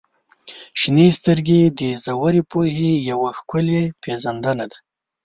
• شنې سترګې د ژورې پوهې یوه ښکلې پیژندنه ده.